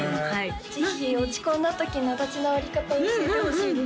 ぜひ落ち込んだ時の立ち直り方を教えてほしいです